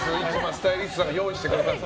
スタイリストさんが用意してくれて。